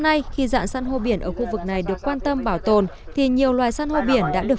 nay khi dạng san hô biển ở khu vực này được quan tâm bảo tồn thì nhiều loài san hô biển đã được